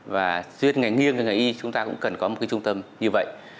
và duyên ngành nghiêng và ngành y chúng ta cũng cần có một cái trung tâm như vậy